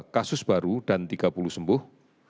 satu ratus tiga puluh dua kasus baru dan tiga puluh sembuh